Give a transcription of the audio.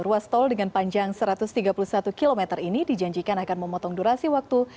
ruas tol dengan panjang satu ratus tiga puluh satu km ini dijanjikan akan memotong durasi waktu